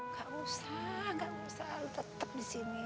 gak usah gak usah lo tetep disini